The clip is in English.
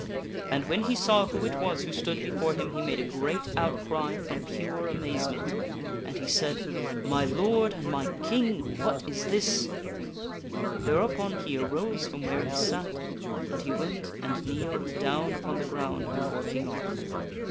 And when he saw who it was who stood before him, he made a great outcry from pure amazement. And he said :" My Lord and my King! What is this !" There selftoKing upon he arose from where he sat, and he went and kneeled Leodegrance. *> 'A down upon the ground before King Arthur.